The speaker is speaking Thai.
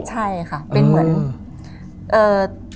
ใช่ค่ะเป็นเหมือน